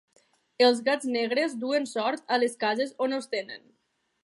Els gats negres duen sort a les cases on els tenen.